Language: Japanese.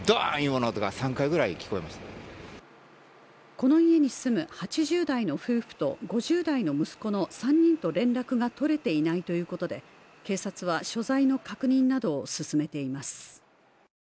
この家に住む８０代の夫婦と５０代の息子の３人と連絡が取れていないということで、警察は所在の確認などを進めています。